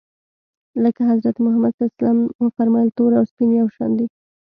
لکه حضرت محمد ص و فرمایل تور او سپین یو شان دي.